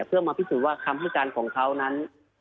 เพื่อมาพิสูจน์ว่าคำให้การของเขานั้น